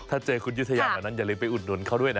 ถ้าเจอคุณยุทยาเหมือนนั้นอย่าเลยไปอุดน้นเขาด้วยนะ